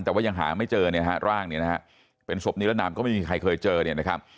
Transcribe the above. แต่ว่ายังหาไม่เจอเนี่ยฮะร่างเนี่ยนะฮะเป็นศพนิรนามก็ไม่มีใครเคยเจอเนี่ยนะครับ